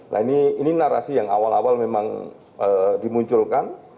nah ini narasi yang awal awal memang dimunculkan